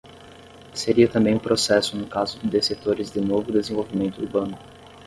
Seria também o processo no caso de setores de novo desenvolvimento urbano.